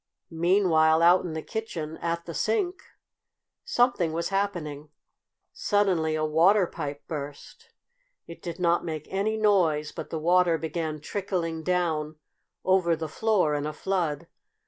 Meanwhile, out in the kitchen, at the sink, something was happening. Suddenly a water pipe burst. It did not make any noise, but the water began trickling down over the floor in a flood.